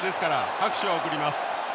拍手を送ります。